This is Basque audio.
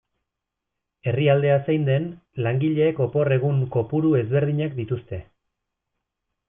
Herrialdea zein den, langileek opor egun kopuru ezberdinak dituzte.